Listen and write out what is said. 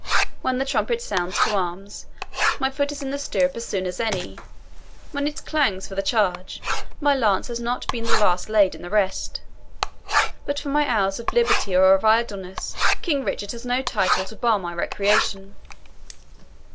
When the trumpet sounds to arms, my foot is in the stirrup as soon as any when it clangs for the charge, my lance has not yet been the last laid in the rest. But for my hours of liberty or of idleness King Richard has no title to bar my recreation."